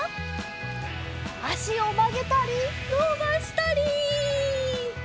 あしをまげたりのばしたり！